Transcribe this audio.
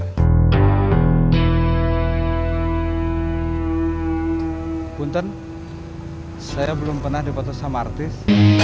hai punten saya belum pernah dipotong sama artis